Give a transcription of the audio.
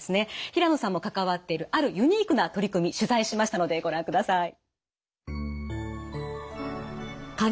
平野さんも関わっているあるユニークな取り組み取材しましたのでご覧ください。